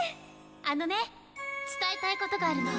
あのね伝えたいことがあるの。